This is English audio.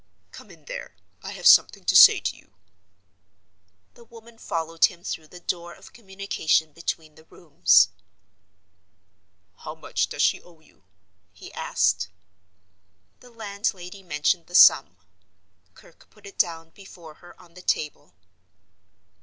"Come in there; I have something to say to you." The woman followed him through the door of communication between the rooms. "How much does she owe you?" he asked. The landlady mentioned the sum. Kirke put it down before her on the table.